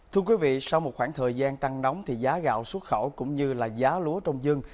thưa quý vị sau một khoảng thời gian tăng nóng thì giá gạo xuất khẩu cũng như là giá lúa trong dân